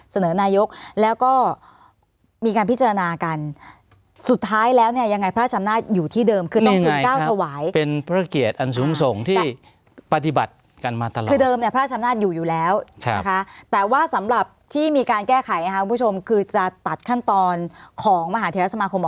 เสนอนายกแล้วก็มีการพิจารณากันสุดท้ายแล้วยังไงพระราชอำนาจอยู่ที่เดิม